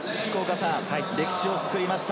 歴史を作りました、